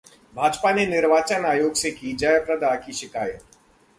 भाजपा ने निर्वाचन आयोग से की जया प्रदा की शिकायत